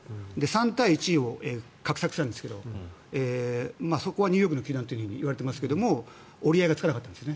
３対１を画策したんですけどそこはニューヨークの球団といわれていますが折り合いがつかなかったんです。